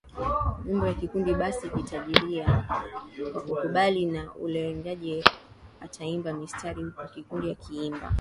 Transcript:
cha wimbo Kikundi basi kitajibu kwa kukubali na Olaranyani ataimba mistari huku kikundi kikiimba